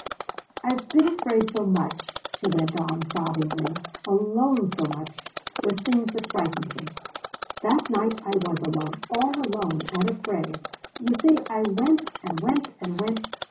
"I've been afraid so much," she went on sobbingly. "Alone so much with things that frightened me. That night I was alone. All alone. And afraid. You see I went and went and went.